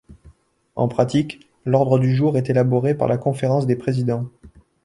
En pratique, l’ordre du jour est élaboré par la Conférence des présidents.